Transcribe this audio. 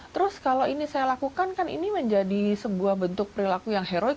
terus kalau ini saya lakukan kan ini menjadi sebuah bentuk perilaku yang heroik